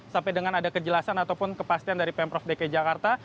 sampai dengan ada kejelasan ataupun kepastian dari pemprov dki jakarta